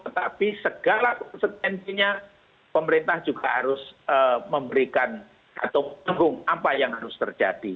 tetapi segala konsekuensinya pemerintah juga harus memberikan atau menunggu apa yang harus terjadi